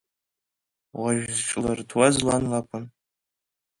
Уажә зҿлырҭуаз лан лакәын…